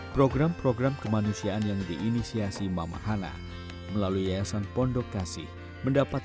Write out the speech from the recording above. program program kemanusiaan yang diinisiasi mama hana melalui yayasan pondok kasih mendapat